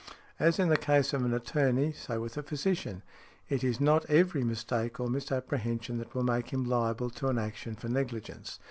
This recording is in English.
As in the case of an attorney, so with a physician, it is not every mistake or misapprehension that will make him liable to an action for negligence.